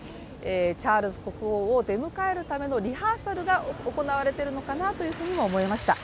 チャールズ国王を出迎えるためのリハーサルが行われているのかなとも思えました。